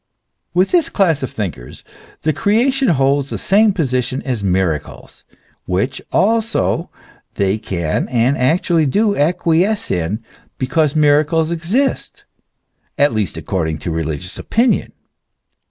With this class of thinkers the creation holds the same position as miracles, which also they can and actually do acquiesce in, because miracles exist, at least according to religious opinion.